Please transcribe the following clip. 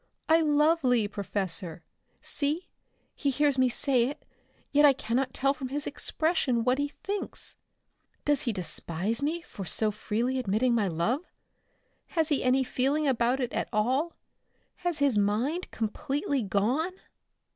I love Lee, Professor. See, he hears me say it, yet I cannot tell from his expression what he thinks. Does he despise me for so freely admitting my love? Has he any feeling about it at all? Has his mind completely gone?"